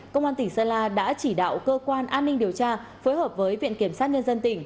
công an tỉnh sơn la đã chỉ đạo cơ quan an ninh điều tra phối hợp với viện kiểm sát nhân dân tỉnh